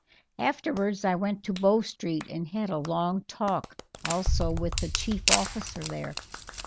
"Afterwards I went to Bow Street and had a long talk also with the chief officer there."